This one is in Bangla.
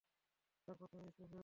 তারপর তুমি নিঃশেষ হয়ে যাবে।